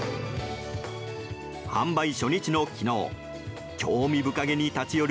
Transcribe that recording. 販売初日の昨日興味深げに立ち寄る